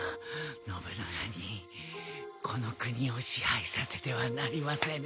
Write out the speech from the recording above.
信長にこの国を支配させてはなりませぬ。